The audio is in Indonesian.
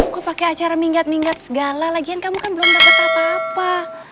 kok pake acara minggat minggat segala lagian kamu kan belum dapet apa apa